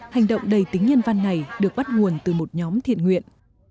hành động đầy tính nhân văn này được bắt nguồn từ một nhóm thiện nguyện